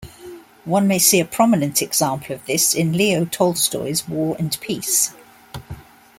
One may see a prominent example of this in Leo Tolstoy's "War and Peace".